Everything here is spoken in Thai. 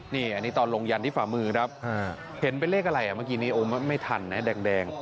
นี่อันนี้ตอนลงยันที่ฝ่ามือครับเห็นเป็นเลขอะไรอ่ะเมื่อกี้นี้โอ้ไม่ทันนะแดง